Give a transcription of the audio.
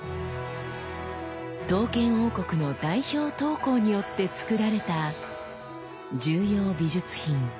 刀剣王国の代表刀工によって作られた重要美術品「太刀銘正恒」でした。